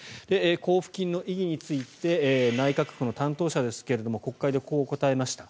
交付金の意義について内閣府の担当者ですが国会でこう答えました。